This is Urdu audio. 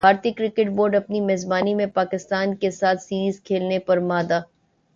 بھارتی کرکٹ بورڈ اپنی میزبانی میں پاکستان کیساتھ سیریز کھیلنے پر مادہ